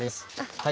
はい